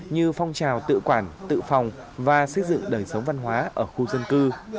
như phong trào tự quản tự phòng và xây dựng đời sống văn hóa ở khu dân cư